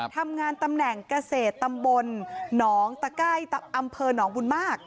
ทำงานตำแหน่งเกษตรตำบลหนองตะไก้อำเภอหนองบุญมาก